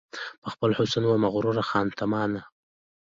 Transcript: په خپل حسن وه مغروره خانتما وه